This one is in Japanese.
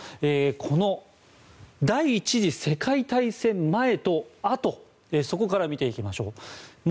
この第１次世界大戦前とあとそこから見ていきましょう。